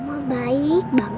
semua baik baik aja kan ma ya